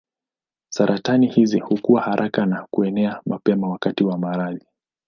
Saratani hizi hukua haraka na kuenea mapema wakati wa maradhi.